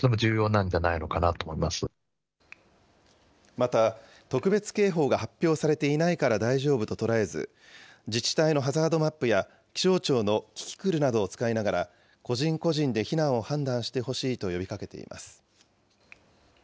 また、特別警報が発表されていないから大丈夫と捉えず、自治体のハザードマップや気象庁のキキクルなどを使いながら、個人個人で避難を判断してほしいと呼びかけています。